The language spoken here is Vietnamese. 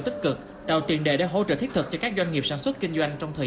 tích cực tạo tiền đề để hỗ trợ thiết thực cho các doanh nghiệp sản xuất kinh doanh trong thời